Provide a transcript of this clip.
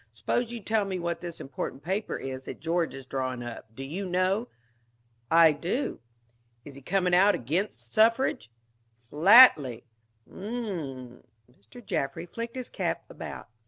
Suppose you tell me what this important paper is that George is drawing up. Do you know?" "I do." "Is he coming out against suffrage?" "Flatly." "Umm!" Mr. Jaffry flicked his cap about.